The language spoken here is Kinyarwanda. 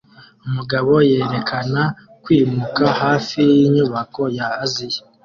Umugabo yerekana kwimuka hafi yinyubako ya Aziya